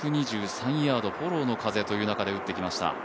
１２３ヤ−ド、フォローの風というところで打ってきました。